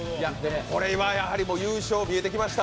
これは優勝見えてきました。